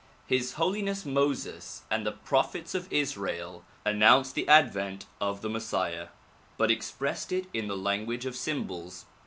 His Holiness Moses and the prophets of Israel announced the advent of the Messiah but expressed it in the language of symbols.